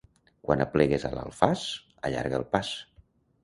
Quan aplegues a l'Alfàs, allarga el pas.